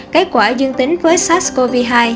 kết quả dương tính với sars cov hai